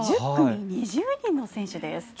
１０組２０人の選手です。